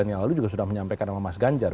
yang lalu juga sudah menyampaikan sama mas ganjar